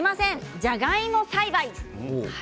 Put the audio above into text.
じゃがいも栽培。